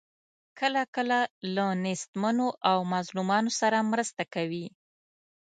کله کله له نیستمنو او مظلومانو سره مرسته کوي.